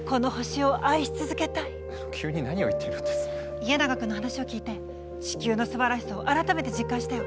家長君の話を聞いて地球のすばらしさを改めて実感したよ。